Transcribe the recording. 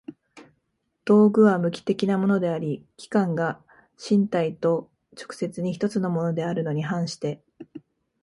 道具は無機的なものであり、器宮が身体と直接に一つのものであるに反して